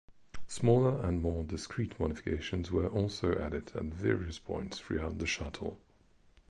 Smaller and more discreet modifications were also added at various points throughout the shuttle.